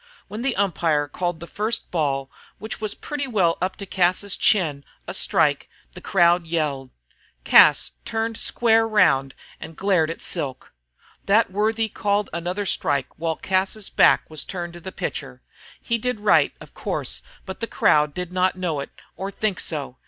When the umpire called the first ball, which was pretty well up to Cas's chin, a strike, the crowd yelled. Cas turned square rouind and glared long at Silk. That worthy called another strike while Cas's back was turned to the pitcher. He did right, of course, but the crowd did not know it or think so.